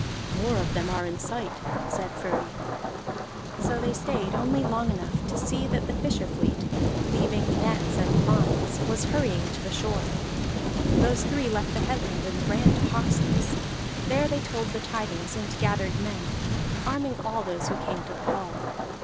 "More of them are in sight," said Frodi. So they stayed only long enough to see that the fisher fleet, leaving nets and lines, was hurrying to the shore. Those three left the headland and ran to Hawksness; there they told the tidings and gathered men, arming all those who came to the hall.